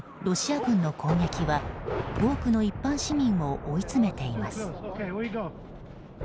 ロシア軍の攻撃は多くの一般市民を追い詰めています。